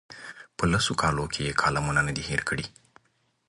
په لسو کالو کې یې کالمونه نه دي هېر کړي.